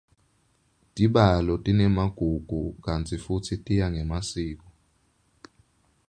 Tibalo tinemagugu kantsi futsi tiya ngemasiko.